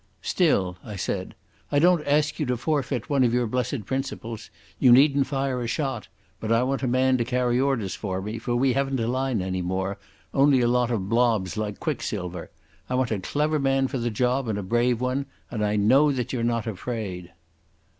"Still," I said. "I don't ask you to forfeit one of your blessed principles. You needn't fire a shot. But I want a man to carry orders for me, for we haven't a line any more, only a lot of blobs like quicksilver. I want a clever man for the job and a brave one, and I know that you're not afraid."